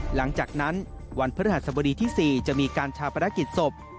หลังจากนั้นวันภรรยศบดีที่๔จะมีการชาวประดักษฎศพ